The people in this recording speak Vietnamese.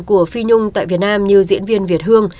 của phi nhung tại việt nam như diễn viên việt hương